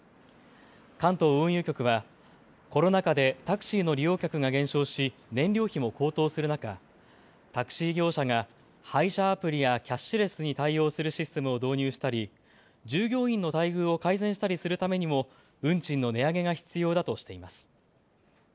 関東運輸局はコロナ禍でタクシーの利用客が減少し燃料費も高騰する中、タクシー業者が配車アプリやキャッシュレスに対応するシステムを導入したり従業員の待遇を改善したりするためにも運賃の値上げが必要だとしています。